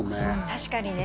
確かにね